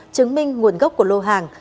chứng minh nguồn gốc của lô hàng